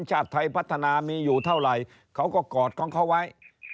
ชาติไทยพัฒนามีอยู่เท่าไหร่เขาก็กอดของเขาไว้